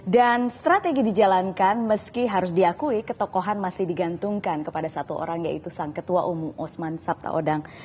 dan strategi dijalankan meski harus diakui ketokohan masih digantungkan kepada satu orang yaitu sang ketua umum osman sabta odang